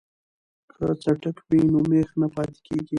که څټک وي نو میخ نه پاتې کیږي.